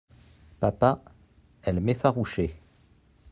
Papa, elle m’effarouchait.